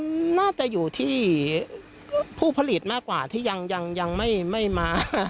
มันน่าจะอยู่ที่ผู้ผลิตมากกว่าที่ยังไม่มา